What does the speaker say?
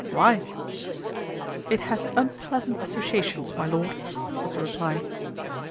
" Why ?"" It has unpleasant associations, my lord," was the reply.